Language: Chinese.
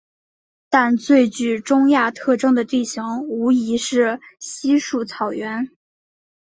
但最具中亚特征的地形无疑是稀树草原。